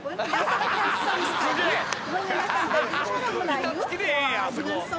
板付きでええんやあそこ。